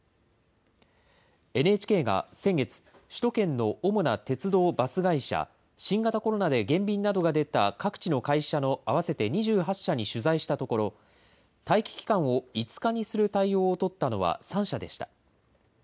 ＮＨＫが先月、首都圏の主な鉄道・バス会社、新型コロナで減便などが出た各地の会社の合わせて２８社に取材したところ、待機期間を５日にする対応を取ったのは３社でした。